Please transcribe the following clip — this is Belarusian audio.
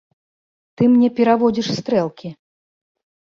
Ты мне пераводзіш стрэлкі.